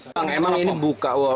memang ini membuka